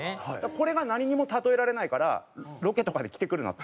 これが何にも例えられないからロケとかで着てくるなって。